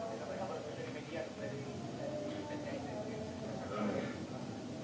dari media smp